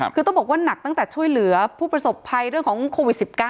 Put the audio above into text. คือต้องบอกว่าหนักตั้งแต่ช่วยเหลือผู้ประสบภัยเรื่องของโควิด๑๙